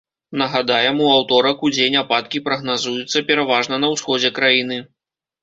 Нагадаем, у аўторак удзень ападкі прагназуюцца пераважна на ўсходзе краіны.